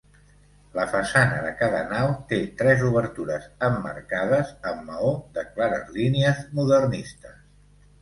La façana de cada nau té tres obertures emmarcades amb maó de clares línies modernistes.